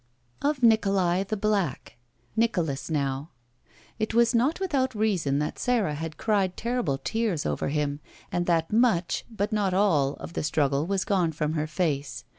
Of Nikolai, the black. Nicholas, now: It was not without reason that Sara had cried terrible tears over him, and that much, but not all, of the struggle was gone from her face.